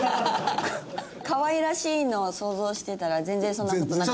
かわいらしいのを想像してたら全然そんな事なかったですね。